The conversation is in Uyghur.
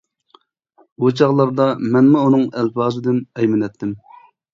ئۇ چاغلاردا مەنمۇ ئۇنىڭ ئەلپازىدىن ئەيمىنەتتىم.